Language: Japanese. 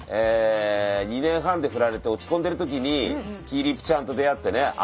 ２年半でフラれて落ち込んでる時にきぃぃりぷちゃんと出会ってね